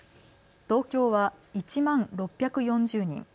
東京は１万６４０人。